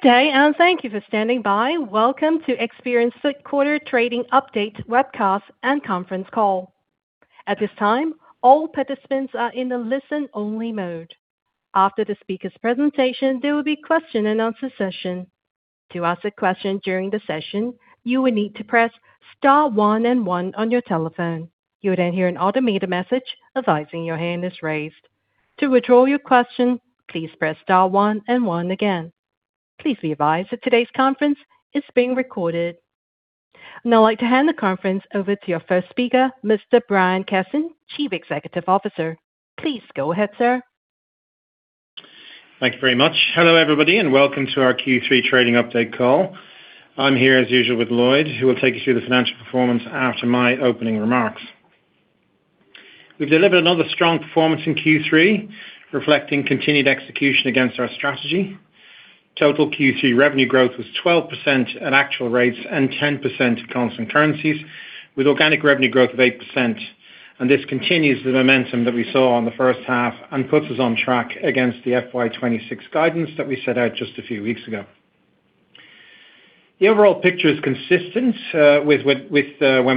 Today, and thank you for standing by. Welcome to Experian's third quarter trading update, webcast, and conference call. At this time, all participants are in the listen-only mode. After the speaker's presentation, there will be a question-and-answer session. To ask a question during the session, you will need to press star one and one on your telephone. You will then hear an automated message advising your hand is raised. To withdraw your question, please press star one and one again. Please be advised that today's conference is being recorded. Now, I'd like to hand the conference over to your first speaker, Mr. Brian Cassin, Chief Executive Officer. Please go ahead, sir. Thank you very much. Hello, everybody, and welcome to our Q3 trading update call. I'm here, as usual, with Lloyd, who will take you through the financial performance after my opening remarks. We've delivered another strong performance in Q3, reflecting continued execution against our strategy. Total Q3 revenue growth was 12% at actual rates and 10% in constant currencies, with organic revenue growth of 8%. And this continues the momentum that we saw in the first half and puts us on track against the FY26 guidance that we set out just a few weeks ago. The overall picture is consistent with when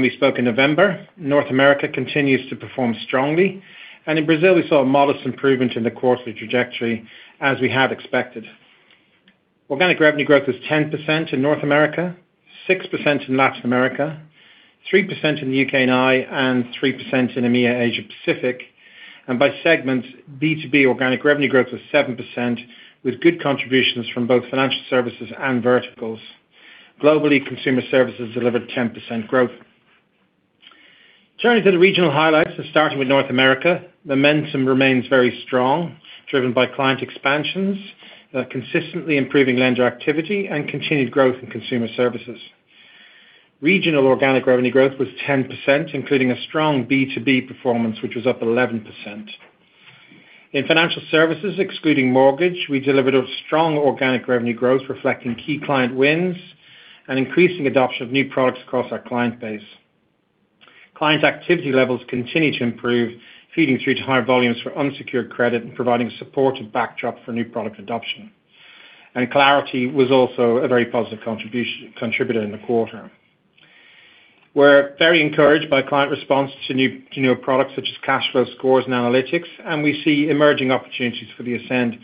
we spoke in November. North America continues to perform strongly. And in Brazil, we saw a modest improvement in the quarterly trajectory, as we had expected. Organic revenue growth was 10% in North America, 6% in Latin America, 3% in the UK and Ireland, and 3% in EMEA and Asia Pacific. By segments, B2B organic revenue growth was 7%, with good contributions from both financial services and verticals. Globally, consumer services delivered 10% growth. Turning to the regional highlights, starting with North America, momentum remains very strong, driven by client expansions, consistently improving lender activity, and continued growth in consumer services. Regional organic revenue growth was 10%, including a strong B2B performance, which was up 11%. In financial services, excluding mortgage, we delivered a strong organic revenue growth, reflecting key client wins and increasing adoption of new products across our client base. Client activity levels continue to improve, feeding through to higher volumes for unsecured credit and providing a supportive backdrop for new product adoption. Clarity was also a very positive contributor in the quarter. We're very encouraged by client response to newer products such as cash flow scores and analytics, and we see emerging opportunities for the Ascend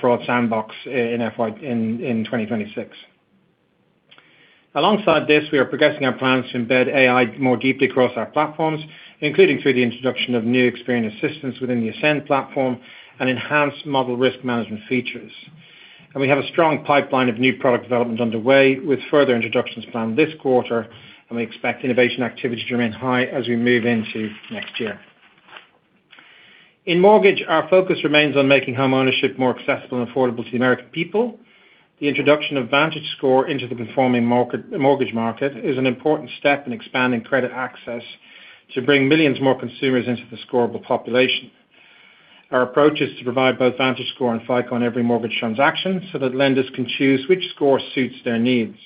fraud sandbox in 2026. Alongside this, we are progressing our plans to embed AI more deeply across our platforms, including through the introduction of new Experian assistants within the Ascend platform and enhanced model risk management features. And we have a strong pipeline of new product development underway, with further introductions planned this quarter, and we expect innovation activity to remain high as we move into next year, and we have a strong pipeline of new product development underway, with further introductions planned this quarter, and we expect innovation activity to remain high as we move into next year. In mortgage, our focus remains on making homeownership more accessible and affordable to the American people. The introduction of VantageScore into the performing mortgage market is an important step in expanding credit access to bring millions more consumers into the scoreable population. Our approach is to provide both VantageScore and FICO on every mortgage transaction so that lenders can choose which score suits their needs.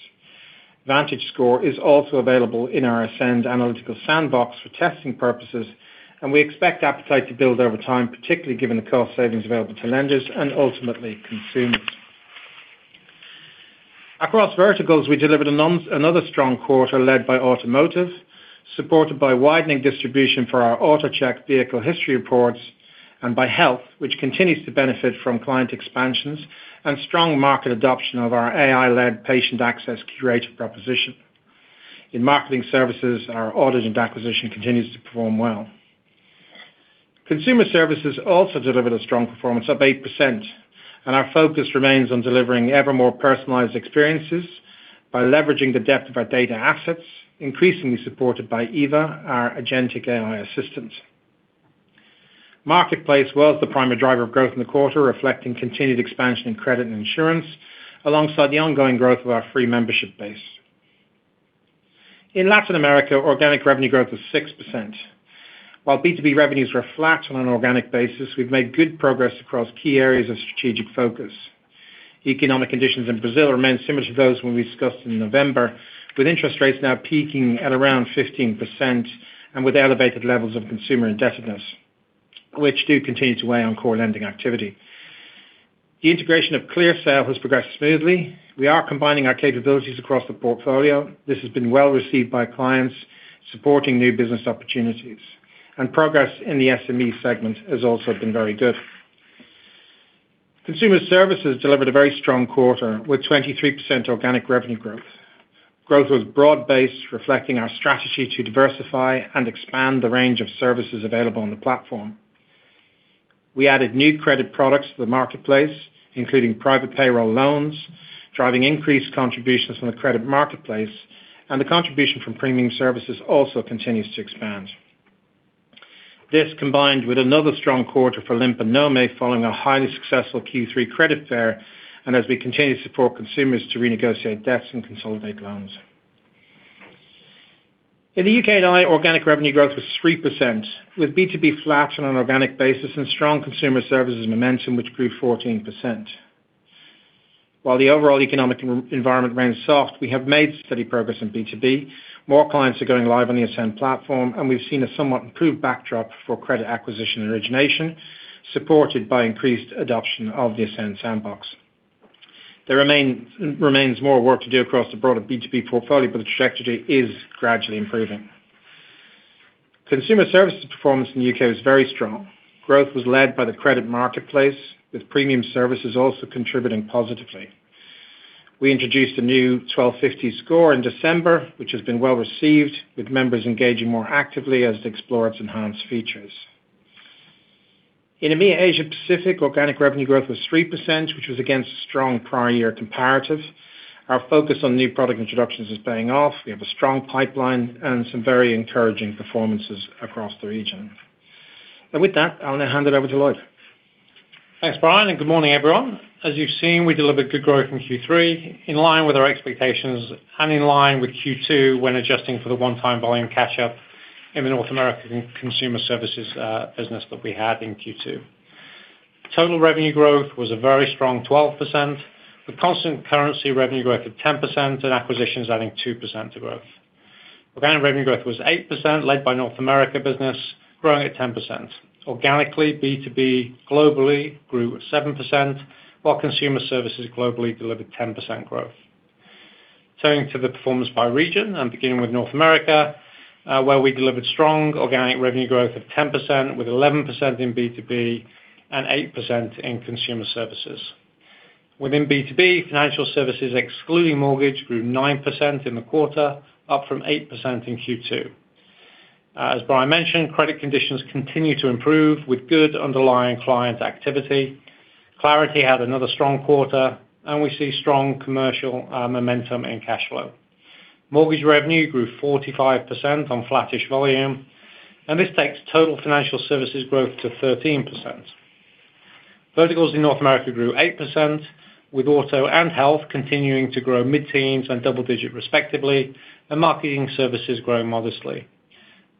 VantageScore is also available in our Ascend analytical sandbox for testing purposes, and we expect appetite to build over time, particularly given the cost savings available to lenders and ultimately consumers. Across verticals, we delivered another strong quarter led by automotive, supported by widening distribution for our AutoCheck vehicle history reports, and by health, which continues to benefit from client expansions and strong market adoption of our AI-led Patient Access Curator proposition. In marketing services, our audit and acquisition continues to perform well. Consumer Services also delivered a strong performance of 8%, and our focus remains on delivering ever more personalized experiences by leveraging the depth of our data assets, increasingly supported by Eva, our agentic AI assistant. Marketplace was the primary driver of growth in the quarter, reflecting continued expansion in credit and insurance, alongside the ongoing growth of our free membership base. In Latin America, organic revenue growth was 6%. While B2B revenues were flat on an organic basis, we've made good progress across key areas of strategic focus. Economic conditions in Brazil remain similar to those when we discussed in November, with interest rates now peaking at around 15% and with elevated levels of consumer indebtedness, which do continue to weigh on core lending activity. The integration of ClearSale has progressed smoothly. We are combining our capabilities across the portfolio. This has been well received by clients, supporting new business opportunities. Progress in the SME segment has also been very good. Consumer services delivered a very strong quarter with 23% organic revenue growth. Growth was broad-based, reflecting our strategy to diversify and expand the range of services available on the platform. We added new credit products to the marketplace, including private payroll loans, driving increased contributions from the credit marketplace, and the contribution from premium services also continues to expand. This, combined with another strong quarter for Limpa Nome, following a highly successful Q3 credit fair, and as we continue to support consumers to renegotiate debts and consolidate loans. In the UK and Ireland, organic revenue growth was 3%, with B2B flat on an organic basis and strong consumer services momentum, which grew 14%. While the overall economic environment remains soft, we have made steady progress in B2B. More clients are going live on the Ascend platform, and we've seen a somewhat improved backdrop for credit acquisition origination, supported by increased adoption of the Ascend sandbox. There remains more work to do across the broader B2B portfolio, but the trajectory is gradually improving. Consumer services performance in the UK was very strong. Growth was led by the credit marketplace, with premium services also contributing positively. We introduced a new 1250 Score in December, which has been well received, with members engaging more actively as they explore its enhanced features. In EMEA Asia Pacific, organic revenue growth was 3%, which was against a strong prior year comparative. Our focus on new product introductions is paying off. We have a strong pipeline and some very encouraging performances across the region. And with that, I'll now hand it over to Lloyd. Thanks, Brian, and good morning, everyone. As you've seen, we delivered good growth in Q3, in line with our expectations and in line with Q2 when adjusting for the one-time volume catch-up in the North American consumer services business that we had in Q2. Total revenue growth was a very strong 12%, with constant currency revenue growth at 10% and acquisitions adding 2% to growth. Organic revenue growth was 8%, led by North America business, growing at 10%. Organically, B2B globally grew 7%, while consumer services globally delivered 10% growth. Turning to the performance by region, I'm beginning with North America, where we delivered strong organic revenue growth of 10%, with 11% in B2B and 8% in consumer services. Within B2B, financial services excluding mortgage grew 9% in the quarter, up from 8% in Q2. As Brian mentioned, credit conditions continue to improve with good underlying client activity. Clarity had another strong quarter, and we see strong commercial momentum and cash flow. Mortgage revenue grew 45% on flattish volume, and this takes total financial services growth to 13%. Verticals in North America grew 8%, with auto and health continuing to grow mid-teens and double-digit respectively, and marketing services growing modestly.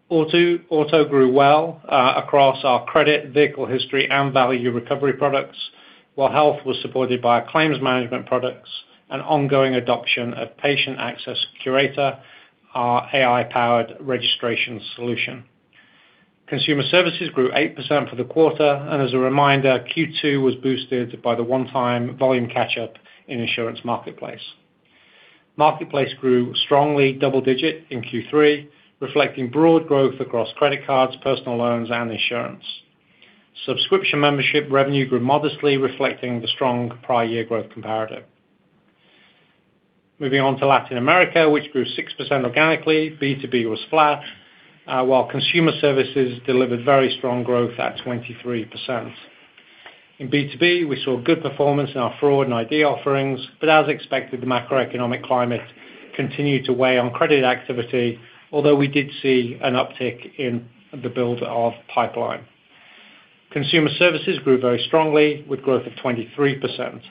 Auto grew well across our credit, vehicle history, and value recovery products, while health was supported by claims management products and ongoing adoption of Patient Access Curator, our AI-powered registration solution. Consumer services grew 8% for the quarter, and as a reminder, Q2 was boosted by the one-time volume catch-up in insurance marketplace. Marketplace grew strongly, double-digit in Q3, reflecting broad growth across credit cards, personal loans, and insurance. Subscription membership revenue grew modestly, reflecting the strong prior year growth comparative. Moving on to Latin America, which grew 6% organically, B2B was flat, while consumer services delivered very strong growth at 23%. In B2B, we saw good performance in our fraud and ID offerings, but as expected, the macroeconomic climate continued to weigh on credit activity, although we did see an uptick in the build of pipeline. Consumer services grew very strongly, with growth of 23%,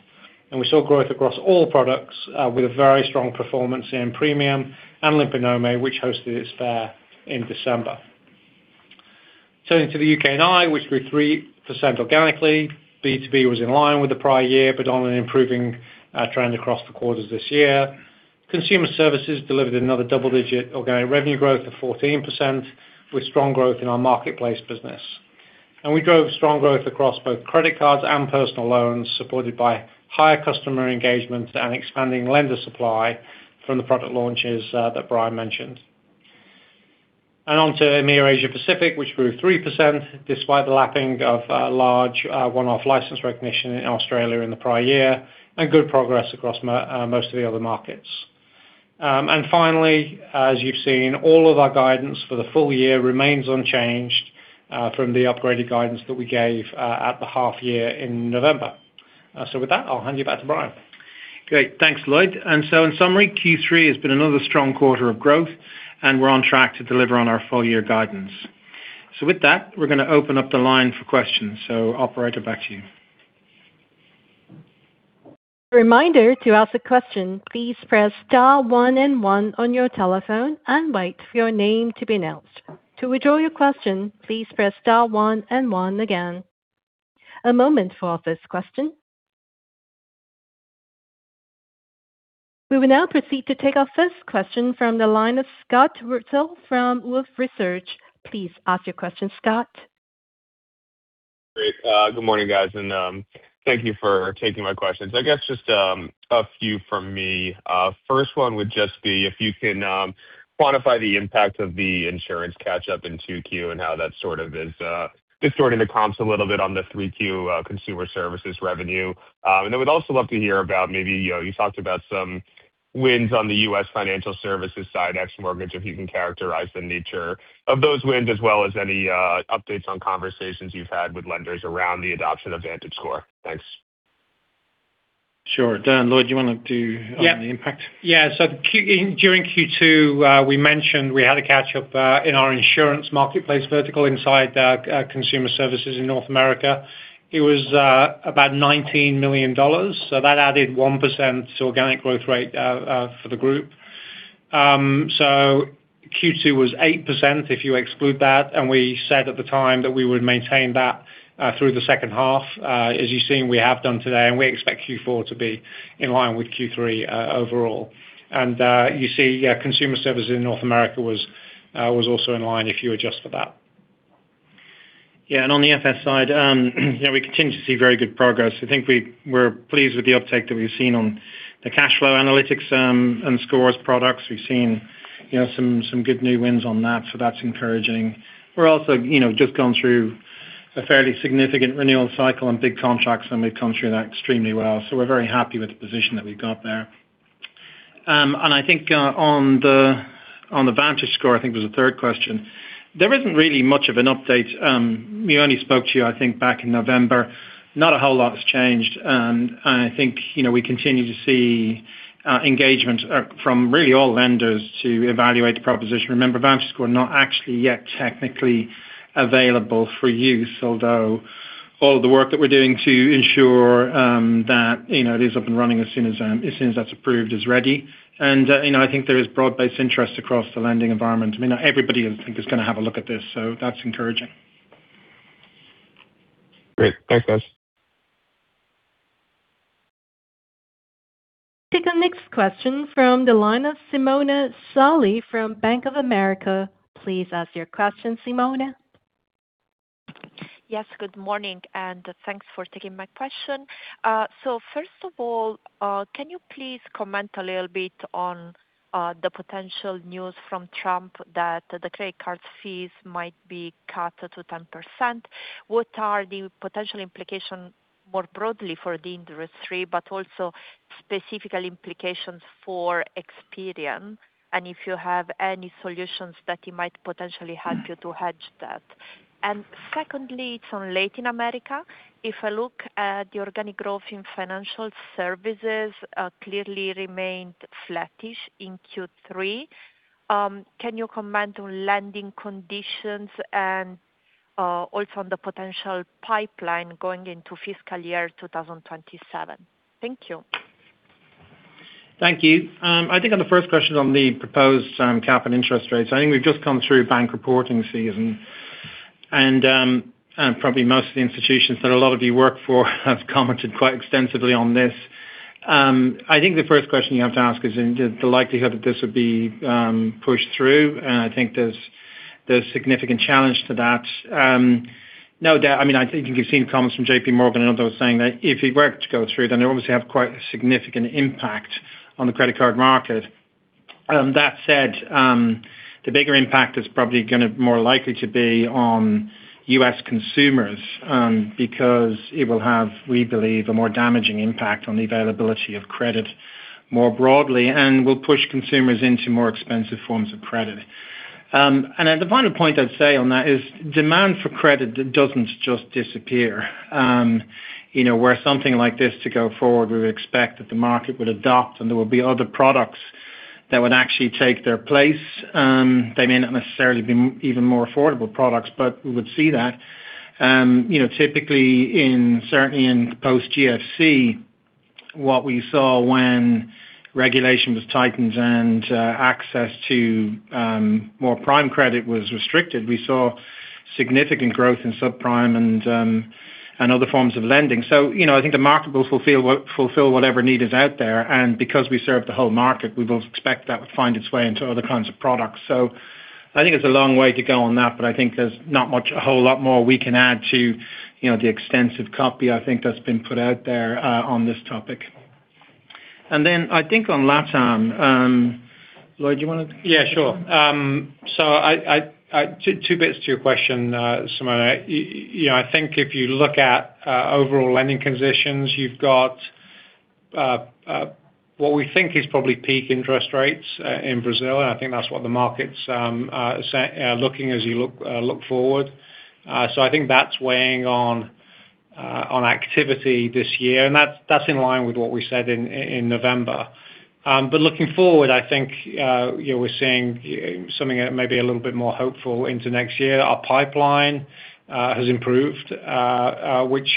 and we saw growth across all products, with a very strong performance in premium and Limpa Nome, which hosted its fair in December. Turning to the UK and Ireland, which grew 3% organically, B2B was in line with the prior year, but on an improving trend across the quarters this year. Consumer services delivered another double-digit organic revenue growth of 14%, with strong growth in our marketplace business. And we drove strong growth across both credit cards and personal loans, supported by higher customer engagement and expanding lender supply from the product launches that Brian mentioned. And on to EMEA, Asia Pacific, which grew 3%, despite the lapping of large one-off license recognition in Australia in the prior year, and good progress across most of the other markets. And finally, as you've seen, all of our guidance for the full year remains unchanged from the upgraded guidance that we gave at the half year in November. So with that, I'll hand you back to Brian. Great. Thanks, Lloyd. And so in summary, Q3 has been another strong quarter of growth, and we're on track to deliver on our full-year guidance. So with that, we're going to open up the line for questions. So I'll pass it back to you. Reminder: To ask a question, please press star one and one on your telephone and wait for your name to be announced. To withdraw your question, please press star one and one again. A moment for our first question. We will now proceed to take our first question from the line of Scott Wurtzel from Wolfe Research. Please ask your question, Scott. Great. Good morning, guys, and thank you for taking my questions. I guess just a few from me. First one would just be if you can quantify the impact of the insurance catch-up in 2Q and how that sort of is distorting the comps a little bit on the 3Q consumer services revenue, and then we'd also love to hear about maybe you talked about some wins on the U.S. financial services side, ex-mortgage, if you can characterize the nature of those wins, as well as any updates on conversations you've had with lenders around the adoption of VantageScore. Thanks. Sure. Dan, Lloyd, do you want to do the impact? Yeah. So during Q2, we mentioned we had a catch-up in our insurance marketplace vertical inside consumer services in North America. It was about $19 million. So that added 1% to organic growth rate for the group. So Q2 was 8% if you exclude that, and we said at the time that we would maintain that through the second half, as you've seen we have done today, and we expect Q4 to be in line with Q3 overall. And you see consumer services in North America was also in line if you adjust for that. Yeah. And on the FS side, we continue to see very good progress. I think we're pleased with the uptake that we've seen on the cash flow analytics and scores products. We've seen some good new wins on that, so that's encouraging. We're also just gone through a fairly significant renewal cycle on big contracts, and we've come through that extremely well. So we're very happy with the position that we've got there. And I think on the VantageScore, I think there was a third question. There isn't really much of an update. We only spoke to you, I think, back in November. Not a whole lot has changed. And I think we continue to see engagement from really all lenders to evaluate the proposition. Remember, VantageScore is not actually yet technically available for use, although all of the work that we're doing to ensure that it is up and running as soon as that's approved is ready, and I think there is broad-based interest across the lending environment. I mean, everybody I think is going to have a look at this, so that's encouraging. Great. Thanks, guys. We'll take our next question from the line of Simona Sarli from Bank of America. Please ask your question, Simona. Yes, good morning, and thanks for taking my question. So first of all, can you please comment a little bit on the potential news from Trump that the credit card fees might be cut to 10%? What are the potential implications more broadly for the industry, but also specifically implications for Experian? And if you have any solutions that might potentially help you to hedge that. And secondly, it's on Latin America. If I look at the organic growth in financial services, it clearly remained flattish in Q3. Can you comment on lending conditions and also on the potential pipeline going into fiscal year 2027? Thank you. Thank you. I think on the first question on the proposed cap and interest rates, I think we've just gone through bank reporting season, and probably most of the institutions that a lot of you work for have commented quite extensively on this. I think the first question you have to ask is the likelihood that this would be pushed through, and I think there's a significant challenge to that. No doubt, I mean, I think you've seen comments from JPMorgan and others saying that if it were to go through, then it would obviously have quite a significant impact on the credit card market. That said, the bigger impact is probably going to be more likely to be on U.S. consumers because it will have, we believe, a more damaging impact on the availability of credit more broadly and will push consumers into more expensive forms of credit. And the final point I'd say on that is demand for credit doesn't just disappear. Where something like this to go forward, we would expect that the market would adopt and there would be other products that would actually take their place. They may not necessarily be even more affordable products, but we would see that. Typically, certainly in post-GFC, what we saw when regulation was tightened and access to more prime credit was restricted, we saw significant growth in subprime and other forms of lending. So I think the market will fulfill whatever need is out there, and because we serve the whole market, we both expect that would find its way into other kinds of products. So, I think there's a long way to go on that, but I think there's not a whole lot more we can add to the extensive copy I think that's been put out there on this topic. And then I think on LATAM, Lloyd, do you want to? Yeah, sure. So two bits to your question, Simona. I think if you look at overall lending conditions, you've got what we think is probably peak interest rates in Brazil, and I think that's what the markets are looking as you look forward. So I think that's weighing on activity this year, and that's in line with what we said in November. But looking forward, I think we're seeing something maybe a little bit more hopeful into next year. Our pipeline has improved, which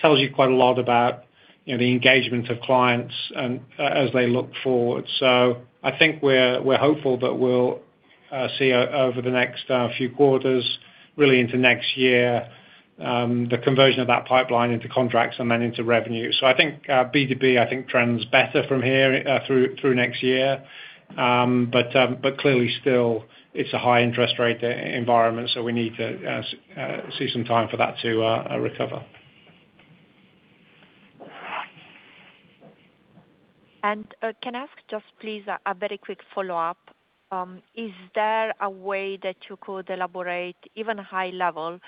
tells you quite a lot about the engagement of clients as they look forward. So I think we're hopeful that we'll see over the next few quarters, really into next year, the conversion of that pipeline into contracts and then into revenue. So I think B2B trends better from here through next year, but clearly still it's a high interest rate environment, so we need to see some time for that to recover. Can I ask just please a very quick follow-up? Is there a way that you could elaborate even high level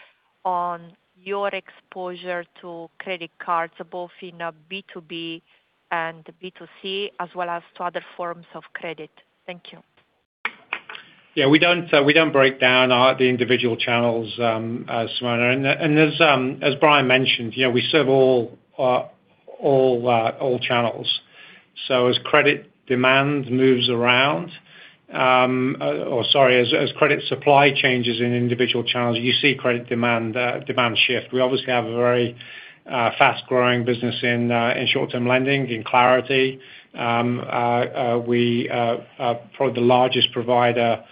on your exposure to credit cards, both in B2B and B2C, as well as to other forms of credit? Thank you. Yeah, we don't break down the individual channels, Simona. As Brian mentioned, we serve all channels, so as credit demand moves around, or sorry, as credit supply changes in individual channels, you see credit demand shift. We obviously have a very fast-growing business in short-term lending in Clarity. We are probably the largest provider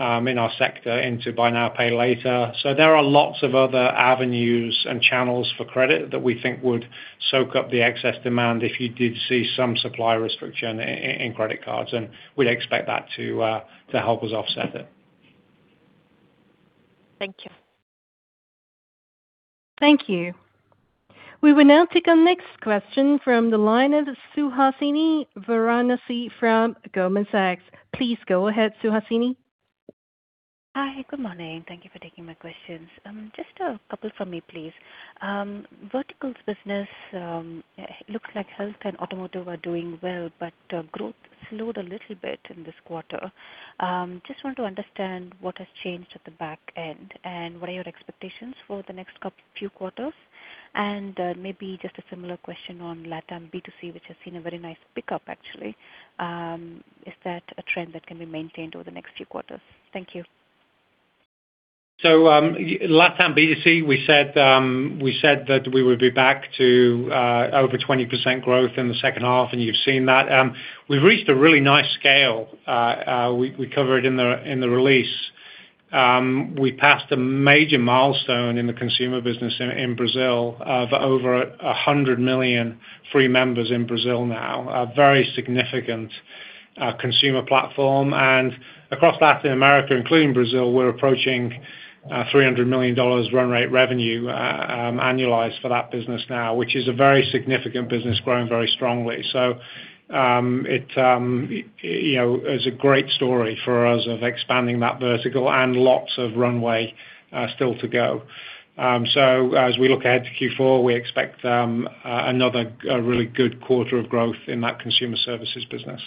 in our sector into Buy Now Pay Later. So there are lots of other avenues and channels for credit that we think would soak up the excess demand if you did see some supply restriction in credit cards, and we'd expect that to help us offset it. Thank you. Thank you. We will now take our next question from the line of Suhasini Varanasi from Goldman Sachs. Please go ahead, Suhasini. Hi, good morning. Thank you for taking my questions. Just a couple for me, please. Verticals business looks like Health and Automotive are doing well, but growth slowed a little bit in this quarter. Just want to understand what has changed at the back end and what are your expectations for the next few quarters? And maybe just a similar question on LATAM B2C, which has seen a very nice pickup, actually. Is that a trend that can be maintained over the next few quarters? Thank you. So LATAM B2C, we said that we would be back to over 20% growth in the second half, and you've seen that. We've reached a really nice scale. We cover it in the release. We passed a major milestone in the consumer business in Brazil of over 100 million free members in Brazil now, a very significant consumer platform. And across Latin America, including Brazil, we're approaching $300 million run rate revenue annualized for that business now, which is a very significant business growing very strongly. So it is a great story for us of expanding that vertical and lots of runway still to go. So as we look ahead to Q4, we expect another really good quarter of growth in that consumer services business.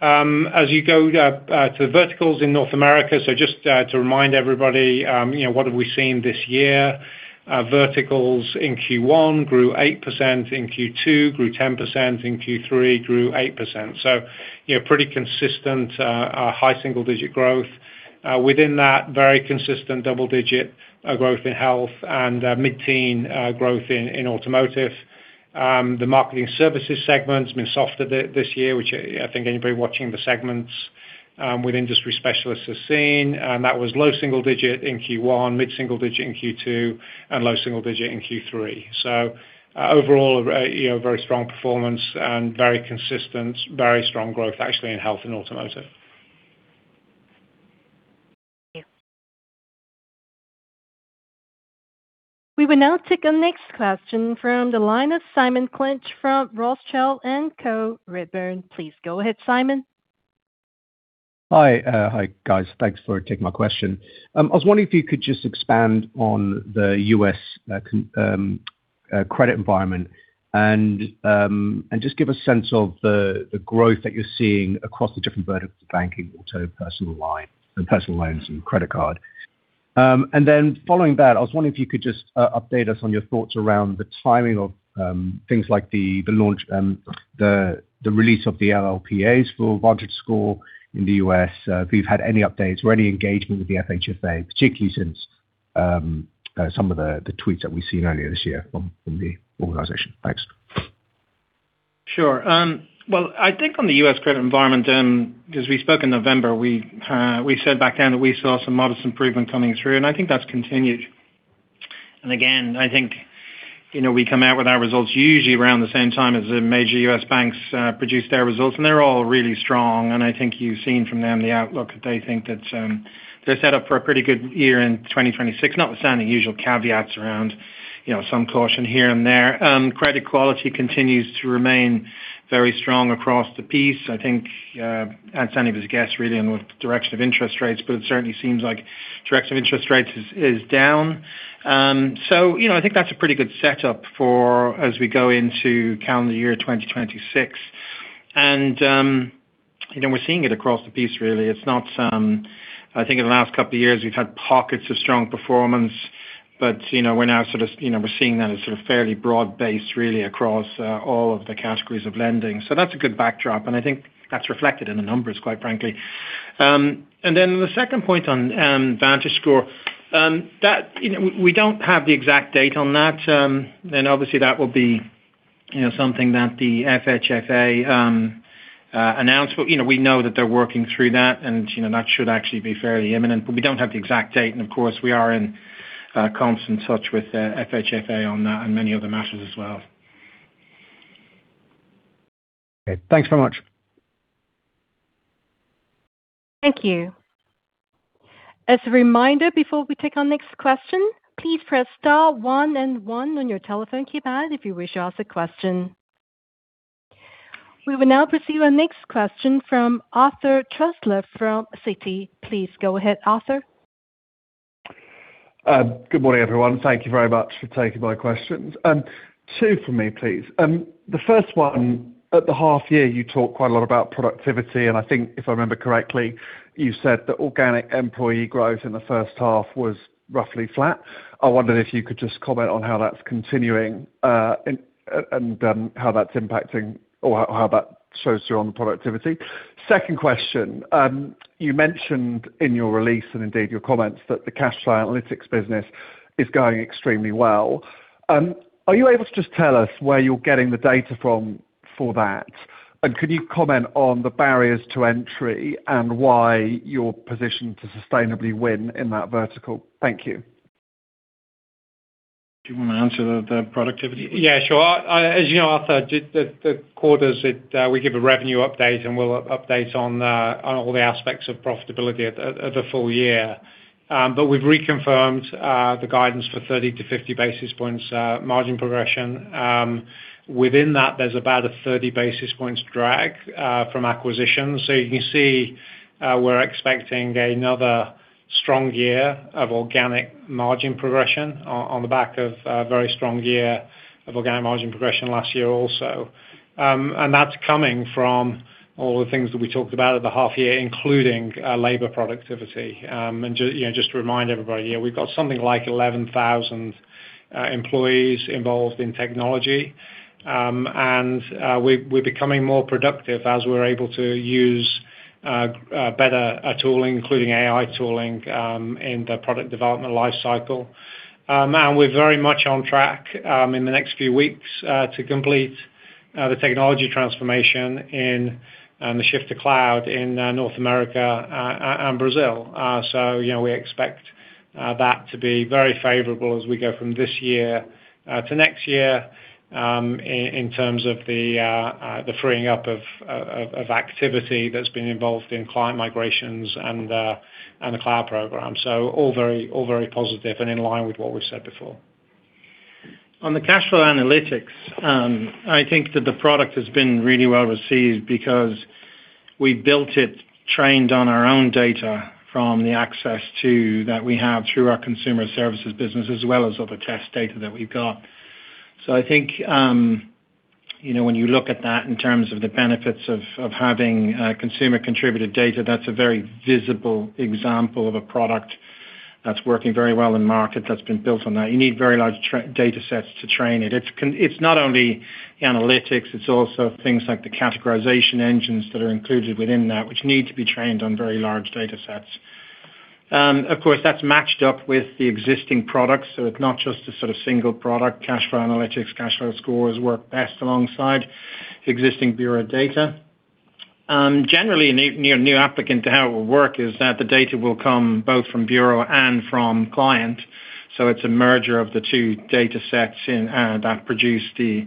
As you go to the verticals in North America, so just to remind everybody, what have we seen this year? Verticals in Q1 grew 8%, in Q2 grew 10%, in Q3 grew 8%. So pretty consistent high single-digit growth. Within that, very consistent double-digit growth in health and mid-teen growth in automotive. The marketing services segment has been softer this year, which I think anybody watching the segments with industry specialists has seen. And that was low single-digit in Q1, mid-single-digit in Q2, and low single-digit in Q3. So overall, very strong performance and very consistent, very strong growth actually in health and automotive. Thank you. We will now take our next question from the line of Simon Clinch from Redburn Atlantic. Please go ahead, Simon. Hi, guys. Thanks for taking my question. I was wondering if you could just expand on the U.S. credit environment and just give a sense of the growth that you're seeing across the different verticals of banking, auto, personal loans, and credit card? And then following that, I was wondering if you could just update us on your thoughts around the timing of things like the release of the LLPAs for VantageScore in the U.S.? If you've had any updates or any engagement with the FHFA, particularly since some of the tweets that we've seen earlier this year from the organization. Thanks. Sure. I think on the U.S. credit environment, as we spoke in November, we said back then that we saw some modest improvement coming through, and I think that's continued, and again, I think we come out with our results usually around the same time as the major U.S. banks produce their results, and they're all really strong, and I think you've seen from them the outlook that they think that they're set up for a pretty good year in 2026, notwithstanding usual caveats around some caution here and there. Credit quality continues to remain very strong across the piece. I think, as any of us guessed, really, in the direction of interest rates, but it certainly seems like the direction of interest rates is down, so I think that's a pretty good setup for as we go into calendar year 2026. We're seeing it across the piece, really. I think in the last couple of years, we've had pockets of strong performance, but we're now sort of seeing that as sort of fairly broad-based, really, across all of the categories of lending. That's a good backdrop, and I think that's reflected in the numbers, quite frankly. Then the second point on VantageScore, we don't have the exact date on that. Obviously, that will be something that the FHFA announced, but we know that they're working through that, and that should actually be fairly imminent. But we don't have the exact date, and of course, we are in constant touch with FHFA on that and many other matters as well. Okay. Thanks very much. Thank you. As a reminder, before we take our next question, please press star one and one on your telephone keypad if you wish to ask a question. We will now proceed with our next question from Arthur Truslove from Citi. Please go ahead, Arthur. Good morning, everyone. Thank you very much for taking my questions. Two for me, please. The first one, at the half year, you talked quite a lot about productivity, and I think, if I remember correctly, you said that organic employee growth in the first half was roughly flat. I wondered if you could just comment on how that's continuing and how that's impacting or how that shows through on the productivity. Second question, you mentioned in your release and indeed your comments that the cash flow analytics business is going extremely well. Are you able to just tell us where you're getting the data from for that? And could you comment on the barriers to entry and why you're positioned to sustainably win in that vertical? Thank you. Do you want to answer the productivity? Yeah, sure. As you know, Arthur, the quarters, we give a revenue update, and we'll update on all the aspects of profitability of the full year. We've reconfirmed the guidance for 30 to 50 basis points margin progression. Within that, there's about a 30 basis points drag from acquisition. You can see we're expecting another strong year of organic margin progression on the back of a very strong year of organic margin progression last year also. That's coming from all the things that we talked about at the half year, including labor productivity. Just to remind everybody, we've got something like 11,000 employees involved in technology, and we're becoming more productive as we're able to use better tooling, including AI tooling, in the product development lifecycle. And we're very much on track in the next few weeks to complete the technology transformation and the shift to cloud in North America and Brazil. So we expect that to be very favorable as we go from this year to next year in terms of the freeing up of activity that's been involved in client migrations and the cloud program. So all very positive and in line with what we've said before. On the cash flow analytics, I think that the product has been really well received because we built it trained on our own data from the access to that we have through our consumer services business as well as other test data that we've got. So I think when you look at that in terms of the benefits of having consumer-contributed data, that's a very visible example of a product that's working very well in market that's been built on that. You need very large datasets to train it. It's not only analytics, it's also things like the categorization engines that are included within that, which need to be trained on very large datasets. Of course, that's matched up with the existing products, so it's not just a sort of single product. Cash flow analytics, cash flow scores work best alongside existing Bureau data. Generally, a new applicant to how it will work is that the data will come both from Bureau and from client. So it's a merger of the two datasets that produce the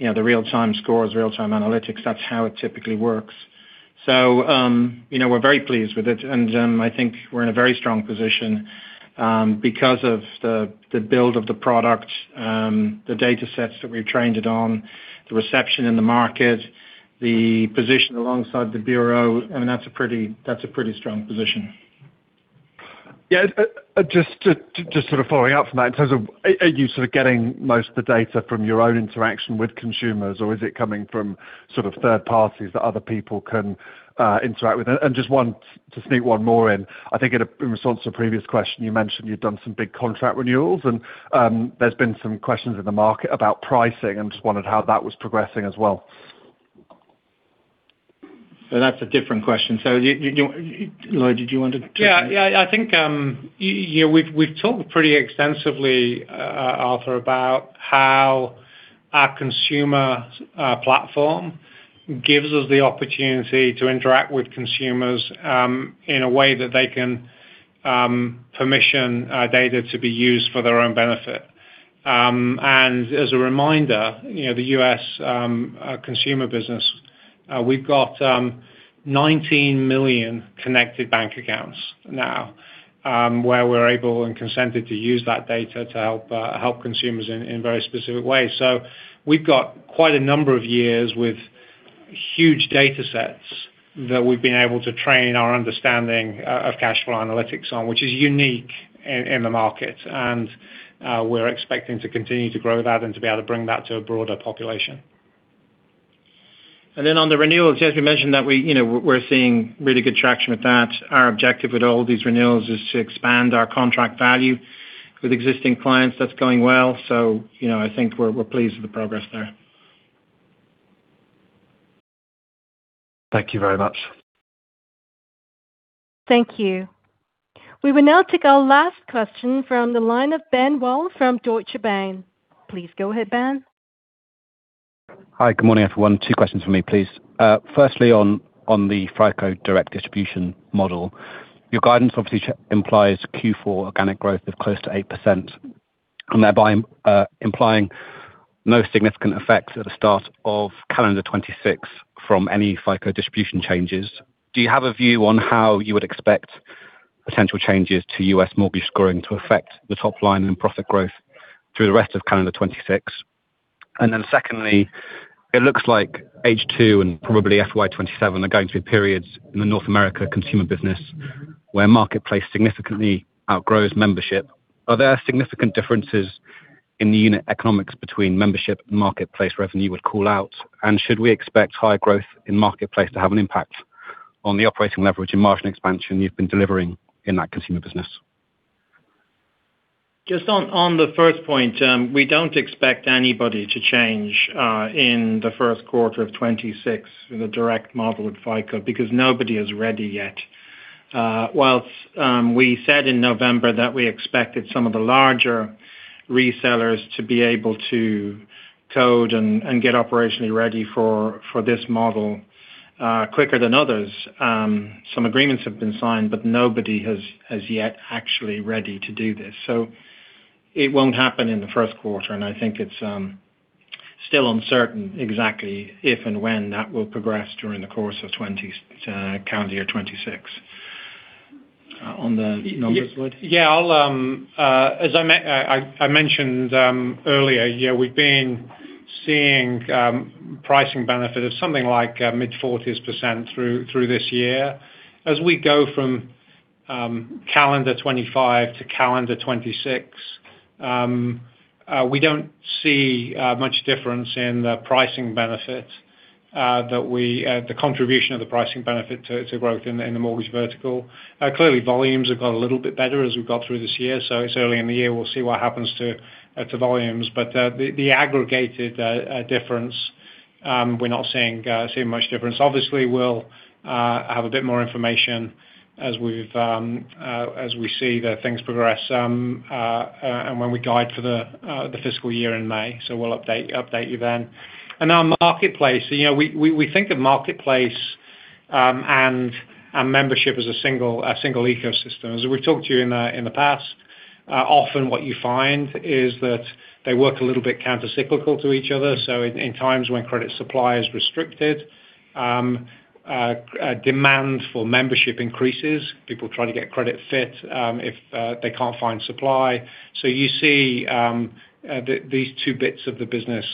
real-time scores, real-time analytics. That's how it typically works. So we're very pleased with it, and I think we're in a very strong position because of the build of the product, the datasets that we've trained it on, the reception in the market, the position alongside the Bureau. I mean, that's a pretty strong position. Yeah. Just sort of following up from that in terms of are you sort of getting most of the data from your own interaction with consumers, or is it coming from sort of third parties that other people can interact with? And just to sneak one more in, I think in response to a previous question, you mentioned you've done some big contract renewals, and there's been some questions in the market about pricing. I just wondered how that was progressing as well. So that's a different question. So Lloyd, did you want to? Yeah. Yeah. I think we've talked pretty extensively, Arthur, about how our consumer platform gives us the opportunity to interact with consumers in a way that they can permission our data to be used for their own benefit. And as a reminder, the U.S. consumer business, we've got 19 million connected bank accounts now where we're able and consented to use that data to help consumers in very specific ways. So we've got quite a number of years with huge datasets that we've been able to train our understanding of cash flow analytics on, which is unique in the market, and we're expecting to continue to grow that and to be able to bring that to a broader population. And then on the renewals, as we mentioned, that we're seeing really good traction with that. Our objective with all these renewals is to expand our contract value with existing clients. That's going well. So I think we're pleased with the progress there. Thank you very much. Thank you. We will now take our last question from the line of Ben Wall from Deutsche Bank. Please go ahead, Ben. Hi, good morning, everyone. Two questions for me, please. Firstly, on the FICO direct distribution model, your guidance obviously implies Q4 organic growth of close to 8%, thereby implying no significant effects at the start of calendar 2026 from any FICO distribution changes. Do you have a view on how you would expect potential changes to U.S. mortgage scoring to affect the top line and profit growth through the rest of calendar 2026? And then secondly, it looks like H2 and probably FY2027 are going to be periods in the North America consumer business where marketplace significantly outgrows membership. Are there significant differences in the unit economics between membership and marketplace revenue we'd call out? And should we expect high growth in marketplace to have an impact on the operating leverage and margin expansion you've been delivering in that consumer business? Just on the first point, we don't expect anybody to change in the first quarter of 2026 in the direct model at FICO because nobody is ready yet. Whilst we said in November that we expected some of the larger resellers to be able to code and get operationally ready for this model quicker than others. Some agreements have been signed, but nobody is yet actually ready to do this. So it won't happen in the first quarter, and I think it's still uncertain exactly if and when that will progress during the course of calendar year 2026. On the numbers, Lloyd? Yeah. As I mentioned earlier, we've been seeing pricing benefit of something like mid-forties% through this year. As we go from calendar 2025 to calendar 2026, we don't see much difference in the pricing benefit that we the contribution of the pricing benefit to growth in the mortgage vertical. Clearly, volumes have got a little bit better as we've got through this year, so it's early in the year. We'll see what happens to volumes. But the aggregated difference, we're not seeing much difference. Obviously, we'll have a bit more information as we see the things progress and when we guide for the fiscal year in May. So we'll update you then, and our marketplace, we think of marketplace and membership as a single ecosystem. As we've talked to you in the past, often what you find is that they work a little bit countercyclical to each other. So in times when credit supply is restricted, demand for membership increases. People try to get credit fit if they can't find supply. So you see these two bits of the business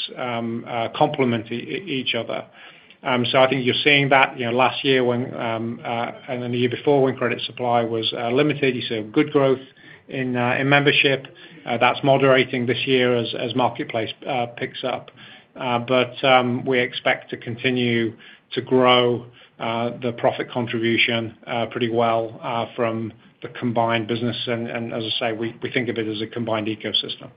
complement each other. So I think you're seeing that last year and then the year before when credit supply was limited. You see good growth in membership. That's moderating this year as marketplace picks up. But we expect to continue to grow the profit contribution pretty well from the combined business. And as I say, we think of it as a combined ecosystem.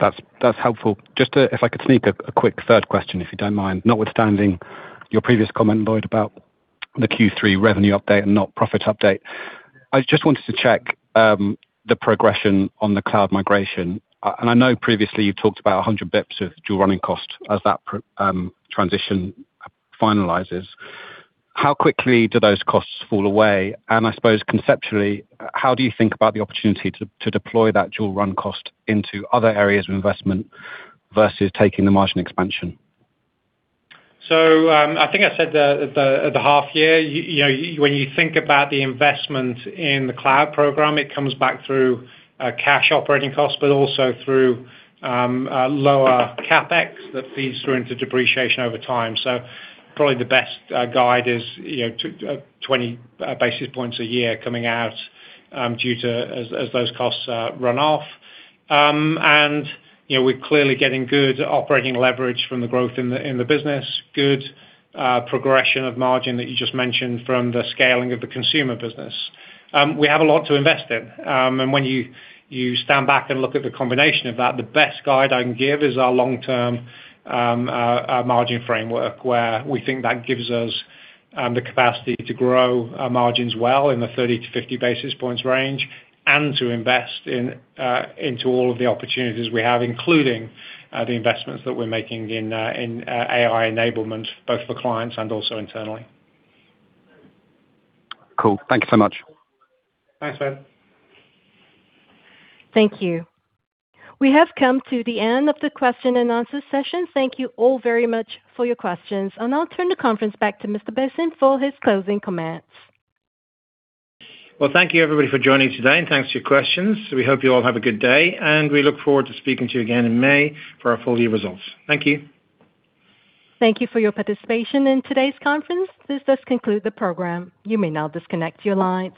That's helpful. Just if I could sneak a quick third question, if you don't mind. Notwithstanding your previous comment, Lloyd, about the Q3 revenue update and not profit update, I just wanted to check the progression on the cloud migration, and I know previously you've talked about 100 basis points of dual running cost as that transition finalizes. How quickly do those costs fall away, and I suppose conceptually, how do you think about the opportunity to deploy that dual run cost into other areas of investment versus taking the margin expansion? So I think I said at the half year, when you think about the investment in the cloud program, it comes back through cash operating costs, but also through lower CapEx that feeds through into depreciation over time. So probably the best guide is 20 basis points a year coming out as those costs run off. And we're clearly getting good operating leverage from the growth in the business, good progression of margin that you just mentioned from the scaling of the consumer business. We have a lot to invest in. And when you stand back and look at the combination of that, the best guide I can give is our long-term margin framework, where we think that gives us the capacity to grow our margins well in the 30-50 basis points range and to invest into all of the opportunities we have, including the investments that we're making in AI enablement, both for clients and also internally. Cool. Thank you so much. Thanks, Ben. Thank you. We have come to the end of the question and answer session. Thank you all very much for your questions, and I'll turn the conference back to Mr. Bosin for his closing comments. Thank you, everybody, for joining today, and thanks for your questions. We hope you all have a good day, and we look forward to speaking to you again in May for our full year results. Thank you. Thank you for your participation in today's conference. This does conclude the program. You may now disconnect your lines.